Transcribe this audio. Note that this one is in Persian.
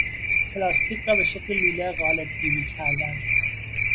پلاستیک را به شکل لوله قالبگیری کردن